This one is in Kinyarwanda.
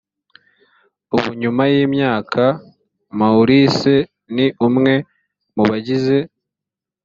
ubu nyuma y imyaka maurice ni umwe mu bagize